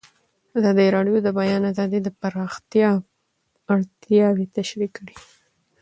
ازادي راډیو د د بیان آزادي د پراختیا اړتیاوې تشریح کړي.